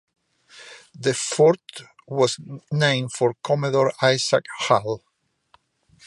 The fort was named for Commodore Isaac Hull.